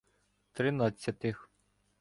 Тринадцятих